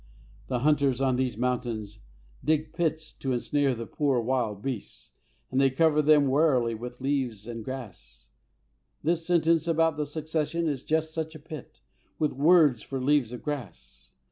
The hunters on these mountains dig pits to ensnare the poor wild beasts, and they cover them warily with leaves and grass: this sentence about the succession is just such a pit, with words for leaves and grass.